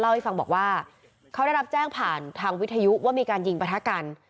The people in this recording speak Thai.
ให้ฟังบอกว่าเขาได้รับแจ้งผ่านทางวิทยุว่ามีการยิงประทะกัน